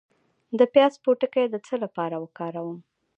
د پیاز پوستکی د څه لپاره وکاروم؟